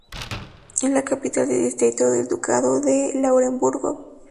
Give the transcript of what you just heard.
Es la capital del distrito del Ducado de Lauenburgo.